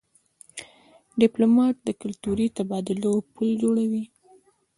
ډيپلومات د کلتوري تبادلو پل جوړوي.